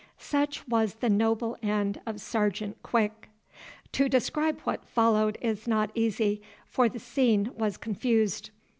Such was the noble end of Sergeant Quick. To describe what followed is not easy, for the scene was confused.